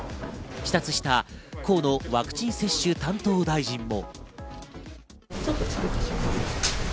視察した河野ワクチン接種担当大臣も。